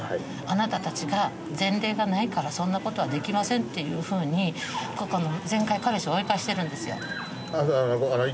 あなたたちが前例がないからそんなことはできませんっていうふうに前回彼氏追い返してるんですよ